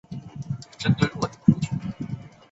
后来芬尼一家又搬到安大略湖的沙吉港。